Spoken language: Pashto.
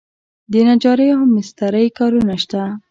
د نجارۍ او مسترۍ کارونه شته؟